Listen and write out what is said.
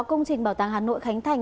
công trình bảo tàng hà nội khánh thành